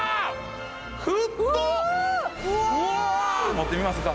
持ってみますか？